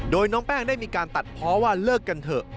โดยน้องแป้งได้มีการตัดเพราะว่าเลิกกันเถอะ